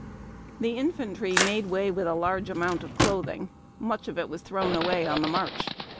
The infantry made way with a large amount of clothing. Much of it was thrown away on the march.